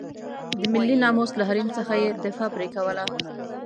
د ملي ناموس له حریم څخه یې دفاع پرې کوله.